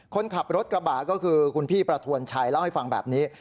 คนขับรถกระบะก็คือคุณพี่ประทวนชัยเล่าให้ฟังแบบนี้